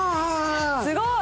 すごい！